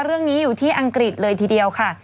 เรื่องนี้อยู่ที่อังกฤษเลยทีเดียวค่ะ